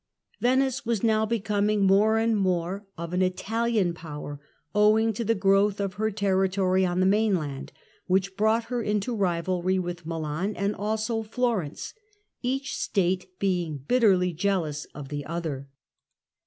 Venice Venice was now becoming more and more of an Italian power, owing to the growth of her territory on the mainland, which brought her into rivalry with Milan, and also Florence, each State being bitterly jealous of the other.